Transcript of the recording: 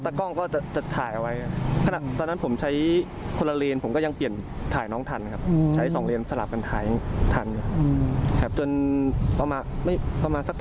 ตอนนั้นไม่ใช่อยู่ตรงนี้แต่อยู่ตึก๒๒ตรงโดมเลยครับ